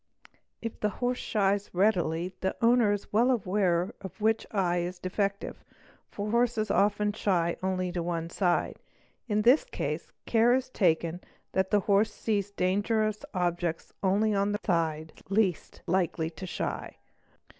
If th : horse shies readily the owner is well aware which eye is defective, fo horses often shy only to one side. In this case, care is taken that th horse sees dangerous objects only on the side on which it is least likel to shy.